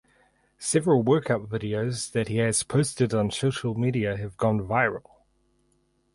Several workout videos that he has posted on social media have gone viral.